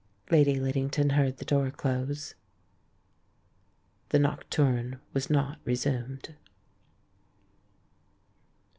Lady Liddington heard the door close. ... The nocturne was not resumed.